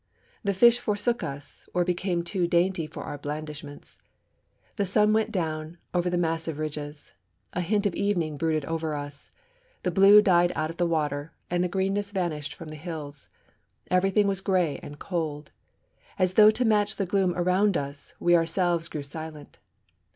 The fish forsook us, or became too dainty for our blandishments. The sun went down over the massive ridges. A hint of evening brooded over us. The blue died out of the water, and the greenness vanished from the hills. Everything was grey and cold. As though to match the gloom around us, we ourselves grew silent.